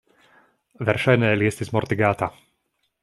Verŝajne li estis mortigata.